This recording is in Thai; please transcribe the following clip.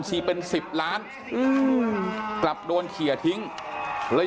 หรอมอบตัวแล้วเหรอ